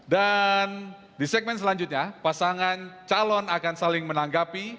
dan di segmen selanjutnya pasangan calon akan saling menanggapi